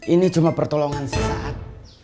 ini cuma pertolongan sesaat